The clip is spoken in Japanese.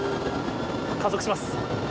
加速します。